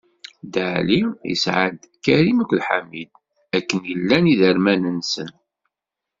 Dda Ɛli isɛa-d: Karim akked Ḥamid, akken i llan iderman-nsen.